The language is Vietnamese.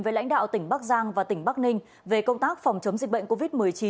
với lãnh đạo tỉnh bắc giang và tỉnh bắc ninh về công tác phòng chống dịch bệnh covid một mươi chín